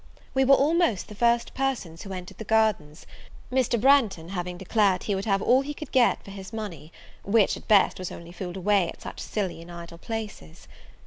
We were almost the first persons who entered the Gardens, Mr. Branghton having declared he would have all he could get for his money, which, at best, was only fooled away at such silly and idle places.